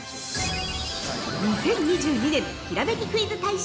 「２０２２年ひらめきクイズ大賞！」